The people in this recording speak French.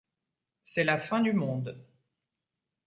C’est la fin du monde.